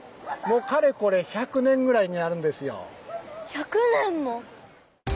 １００年も？